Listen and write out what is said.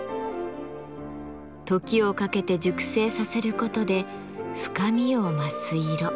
時をかけて熟成させることで深みを増す色。